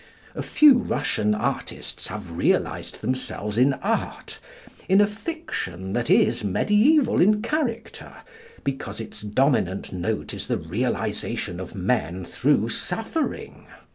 A few Russian artists have realised themselves in Art; in a fiction that is mediæval in character, because its dominant note is the realisation of men through suffering.